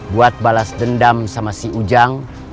buat balas dendam sama si ujang